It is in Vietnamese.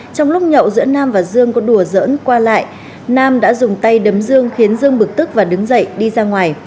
trong lúc nhậu giữa nam và dương có đùa dỡn qua lại nam đã dùng tay đấm dương khiến dương bực tức và đứng dậy đi ra ngoài